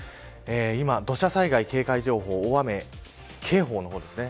今、土砂災害警戒情報大雨警報の方ですね。